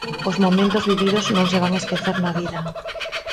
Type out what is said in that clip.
Os momentos vividos non se van esquecer na vida.